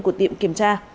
của tiệm kiểm tra